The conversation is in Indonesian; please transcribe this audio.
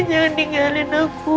jangan tinggalin aku